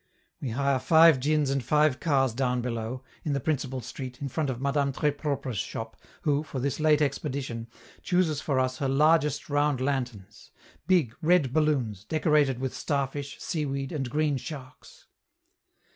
We hire five djins and five cars down below, in the principal street, in front of Madame Tres Propre's shop, who, for this late expedition, chooses for us her largest round lanterns big, red balloons, decorated with starfish, seaweed, and green sharks.